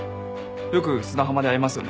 よく砂浜で会いますよね。